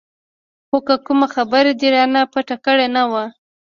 خو که کومه خبره دې رانه پټه کړه نو.